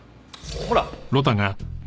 ほら！